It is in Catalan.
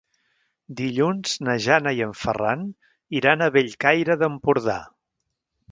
Dilluns na Jana i en Ferran iran a Bellcaire d'Empordà.